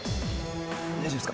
大丈夫っすか？